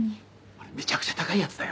あれめちゃくちゃ高いやつだよ。